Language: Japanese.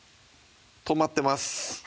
止まってます